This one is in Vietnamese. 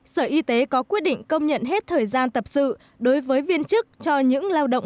sở y tế có quyết định công nhận hết thời gian tập sự đối với viên chức cho những lao động